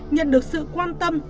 nhận được sự quan tâm